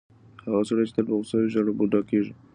هغه سړی چې تل په غوسه وي، ژر بوډا کیږي.